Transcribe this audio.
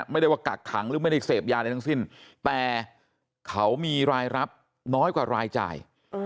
ไม่ได้ว่ากักขังหรือไม่ได้เสพยาอะไรทั้งสิ้นแต่เขามีรายรับน้อยกว่ารายจ่าย